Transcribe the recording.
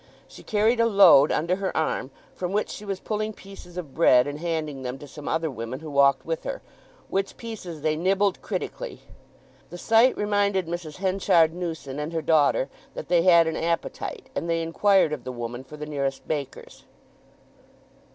She carried a loaf under her arm from which she was pulling pieces of bread, and handing them to some other women who walked with her, which pieces they nibbled critically. The sight reminded Mrs. Henchard Newson and her daughter that they had an appetite; and they inquired of the woman for the nearest baker's.